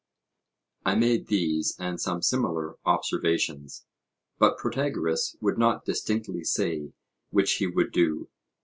I made these and some similar observations; but Protagoras would not distinctly say which he would do.